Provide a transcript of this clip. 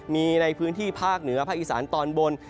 มีในพื้นที่ภาคเหนือภาคอีสานตอนบน